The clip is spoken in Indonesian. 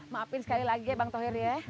maafin sekali lagi ya bang tohir ya